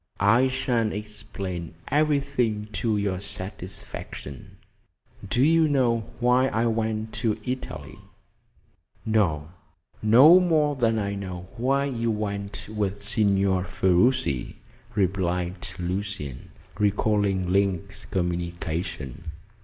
"I shall explain everything to your satisfaction. Do you know why I went to Italy?" "No; no more than I know why you went with Signor Ferruci," replied Lucian, recalling Link's communication.